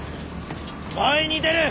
前に出る！